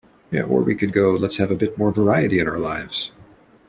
Or we could go, 'Let's have a bit more variety in our lives'.